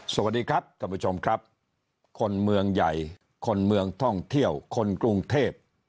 สวัสดีครับท่านผู้ชมครับคนเมืองใหญ่คนเมืองท่องเที่ยวคนกรุงเทพ